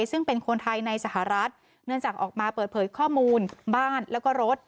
ซึ่งเป็นคนไทยในสหรัฐเนื่องจากออกมาเปิดเผยข้อมูลบ้านแล้วก็รถ